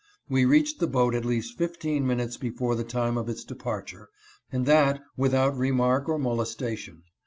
We reached the boat at least fifteen minutes before the time of its departure, and that without remark or molestation.